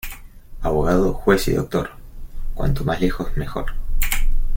Abogado, juez y doctor, cuanto más lejos, mejor.